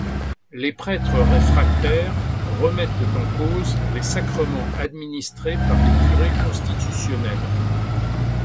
Les prêtres réfractaires remettent en cause les sacrements administrés par les curés constitutionnels.